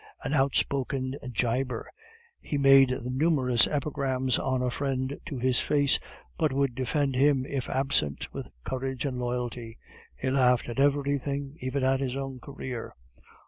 An outspoken giber, he made numberless epigrams on a friend to his face; but would defend him, if absent, with courage and loyalty. He laughed at everything, even at his own career.